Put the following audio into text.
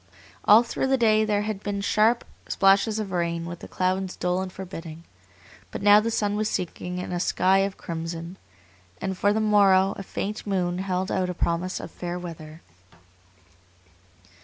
All through the day there had been sharp splashes of rain with the clouds dull and forbidding, but now the sun was sinking in a sky of crimson, and for the morrow a faint moon held out a promise of fair weather.